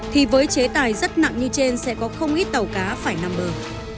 thì với chế tài rất nặng như trên sẽ có không ít tàu cá phải nằm bờ